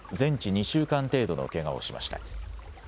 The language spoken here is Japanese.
２週間程度のけがをしました。